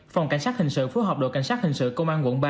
phòng cảnh sát hình sự phối hợp đội cảnh sát hình sự công an quận ba